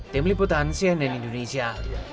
tim liputan cnn indonesia